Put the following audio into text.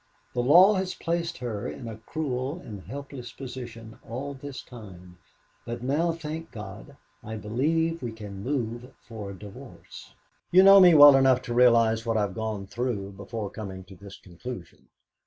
The law has placed her in a cruel and helpless position all this time; but now, thank God, I believe we can move for a divorce. You know me well enough to realise what I have gone through before coming to this conclusion.